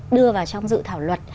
đưa vào trong dự thảo luật